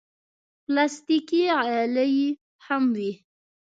پلاستيکي غالۍ هم وي.